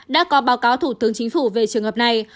đã có báo cáo thủ tướng chính phủ về trường hợp này